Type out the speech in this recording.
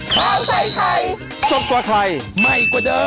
โปรดติดตามตอนต่อไป